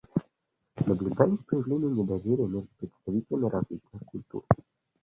Наблюдались проявления недоверия между представителями различных культур.